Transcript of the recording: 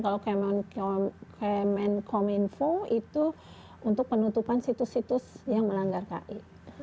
kalau kemenkominfo itu untuk penutupan situs situs yang melanggar ki